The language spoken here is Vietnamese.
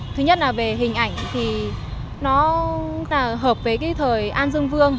thứ nhất là về hình ảnh thì nó là hợp với cái thời an dương vương